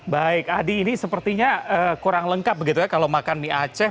baik adi ini sepertinya kurang lengkap begitu ya kalau makan mie aceh